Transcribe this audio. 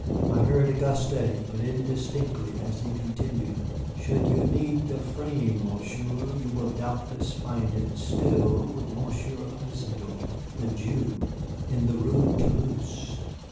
I heard Auguste but indistinctly as he continued: "Should you need the frame, Monsieur, you will doubtless find it still with Monsieur Isadore, the Jew, in the Rue Toulouse."